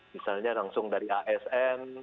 misalnya langsung dari asn